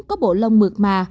có bộ lông mượt mà